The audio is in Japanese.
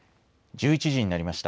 １１時になりました。